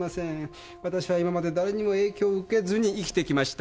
わたしは今まで誰にも影響を受けずに生きてきました。